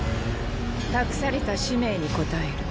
託された使命に応える。